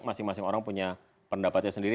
masing masing orang punya pendapatnya sendiri